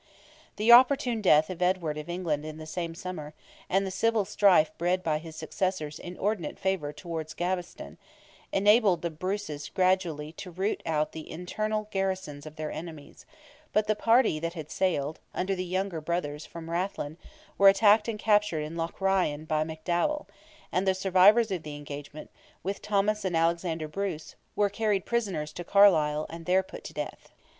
The opportune death of Edward of England the same summer, and the civil strife bred by his successor's inordinate favour towards Gaveston, enabled the Bruces gradually to root out the internal garrisons of their enemies; but the party that had sailed, under the younger brothers, from Rathlin, were attacked and captured in Loch Ryan by McDowell, and the survivors of the engagement, with Thomas and Alexander Bruce, were carried prisoners to Carlisle and there put to death.